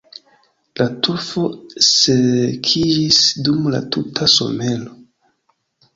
La torfo sekiĝis dum la tuta somero.